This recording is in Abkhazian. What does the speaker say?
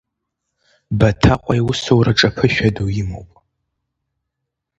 Баҭаҟәа иусураҿы аԥышәа ду имоуп.